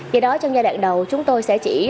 do đó trong giai đoạn đầu chúng tôi sẽ chỉ